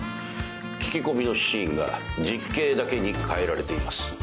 聞き込みのシーンが実景だけに変えられています。